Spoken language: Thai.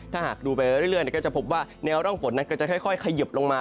ถ้าหากดูไปเรื่อยก็จะพบว่าแนวร่องฝนนั้นก็จะค่อยเขยิบลงมา